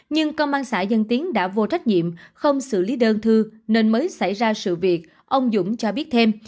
nhưng công an xã dân tiến đã vô trách nhiệm không xử lý đơn thư nên mới xảy ra sự việc ông dũng cho biết thêm